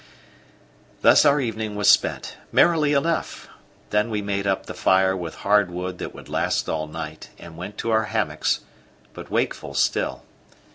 Thus our evening was spent, merrily enough; then we made up the fire with hard wood that would last all night, and went to our hammocks, but wakeful still.